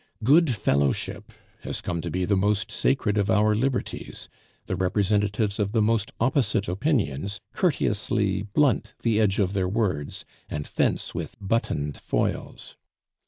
Good fellowship has come to be the most sacred of our liberties; the representatives of the most opposite opinions courteously blunt the edge of their words, and fence with buttoned foils.